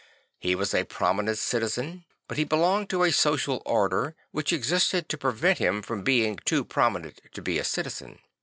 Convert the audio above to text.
He was a prominent citizen, but he belonged to a social order which existed to prevent him being too prominent to be a citizen.